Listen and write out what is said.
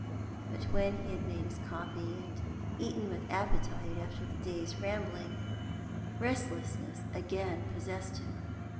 But when he had made his coffee and eaten with appetite after the day's rambling, restlessness again possessed him.